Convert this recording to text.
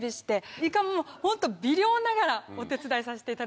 いかもホント微量ながらお手伝いさせていただいて。